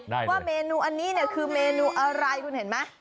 ว่าเมนูอันนี้เนี่ยคือเมนูอะไรคุณเห็นไหม